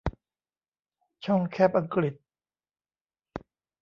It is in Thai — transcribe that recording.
ช่องแคบอังกฤษ